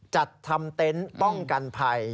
จัดทำเต็นต์ป้องกันภัย